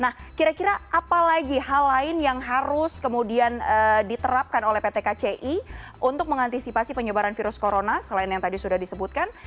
nah kira kira apa lagi hal lain yang harus kemudian diterapkan oleh pt kci untuk mengantisipasi penyebaran virus corona selain yang tadi sudah disebutkan